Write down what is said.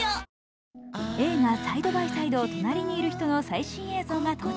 映画「サイドバイサイド隣にいる人」の最新映像が到着。